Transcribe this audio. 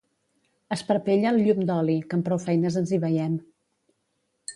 Esparpella el llum d'oli, que amb prou feines ens hi veiem.